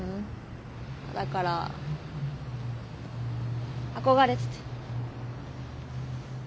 だから憧れてて。